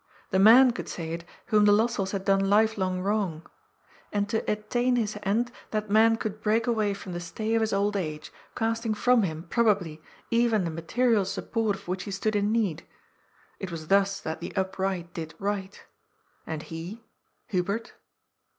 The man could say it whom the Lossells had done life long wrong. And to attain his end that man could break away from the stay of his old age, casting from him, probably, even the material support of which he stood in need. It was thus that the upright did right. And he — Hubert?